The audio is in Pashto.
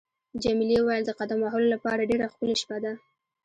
جميلې وويل: د قدم وهلو لپاره ډېره ښکلې شپه ده.